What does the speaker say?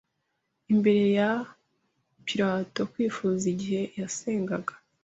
imbere ya Pilato kwifuza igihe yasengaga